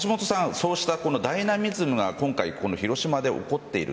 そのダイナミズムが広島で起こっている。